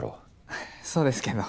ははっそうですけど。